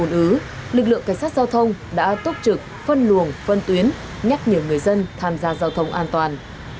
trật tự lực lượng cảnh sát giao thông đã tốt trực phân luồng phân tuyến nhắc nhiều người dân tham gia giao thông an toàn